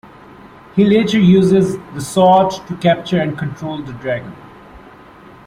He later uses the sword to capture and control the dragon.